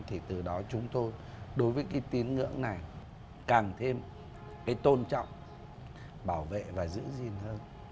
thì từ đó chúng tôi đối với cái tín ngưỡng này càng thêm cái tôn trọng bảo vệ và giữ gìn hơn